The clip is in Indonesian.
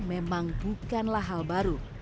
memang bukanlah hal baru